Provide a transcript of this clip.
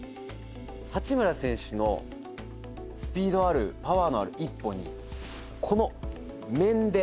八村選手のスピードあるパワーのある一歩にこの面で。